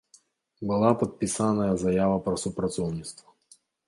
Была падпісаная заява пра супрацоўніцтва.